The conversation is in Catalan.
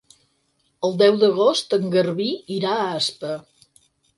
El deu d'agost en Garbí irà a Aspa.